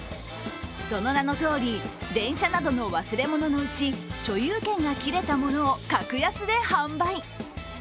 その名の通り、電車などの忘れ物のうち所有権が切れたものを格安で販売。